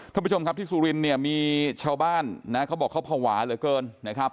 ท่านผู้ชมครับที่สุรินเนี่ยมีชาวบ้านนะเขาบอกเขาภาวะเหลือเกินนะครับ